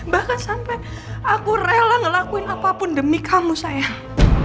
bahkan sampai aku rela ngelakuin apapun demi kamu sayang